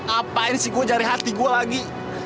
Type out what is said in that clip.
apaan sih gua jari hati gua lagi